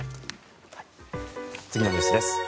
次のニュースです。